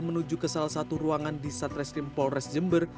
menuju ke salah satu ruangan di satreskrim polres jember